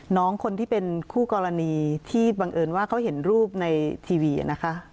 น้องคนที่เป็นคู่กรณีที่บังเอิญว่าเขาเห็นรูปในทีวีนะคะ